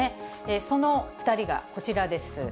その２人がこちらです。